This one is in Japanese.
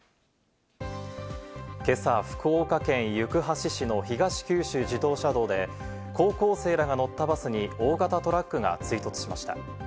今朝、福岡県行橋市の東九州自動車道で、高校生らが乗ったバスに大型トラックが追突しました。